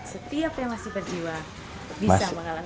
setiap yang masih berjiwa bisa mengalami